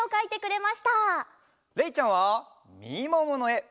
れいちゃんはみもものえ！